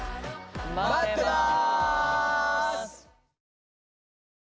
まってます！